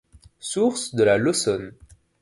Source de la Laussonne.